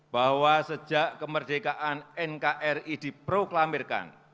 bahwa sejak kemerdekaan nkri diproklamirkan